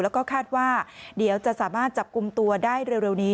แล้วก็คาดว่าเดี๋ยวจะสามารถจับกลุ่มตัวได้เร็วนี้